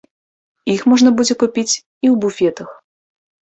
Іх можна будзе купіць і ў буфетах.